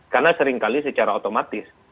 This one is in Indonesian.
karena seringkali secara otomatis